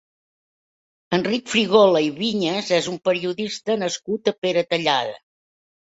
Enric Frigola i Viñas és un periodista nascut a Peratallada.